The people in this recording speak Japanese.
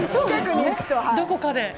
どこかで。